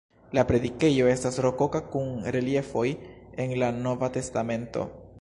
La predikejo estas rokoka kun reliefoj el la Nova Testamento.